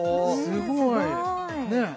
すごいねえ？